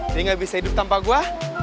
dia gak bisa hidup tanpa gue